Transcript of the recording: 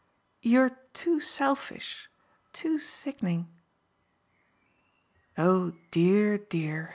"You're too selfish too sickening." "Oh dear, dear!"